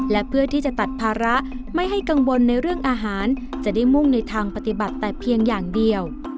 และเพื่อที่จะตัดภาระไม่ให้กังวลในเรื่องอาหารจะได้มุ่งในทางปฏิบัติแต่เพียงอย่างเดียว